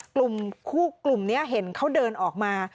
กลุ่มเนี่ยเห็นเขาเดินออกมา